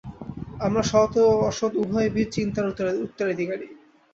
আমরা সৎ ও অসৎ উভয়বিধ চিন্তার উত্তরাধিকারী।